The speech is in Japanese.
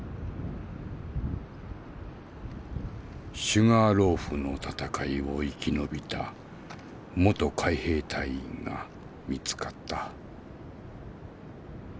シュガーローフの戦いを生き延びた元海兵隊員が見つかった。